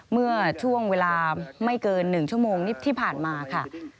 เมื่อช่วงเวลาไม่เกิน๑ชั่วโมงนิดที่ผ่านมาค่ะ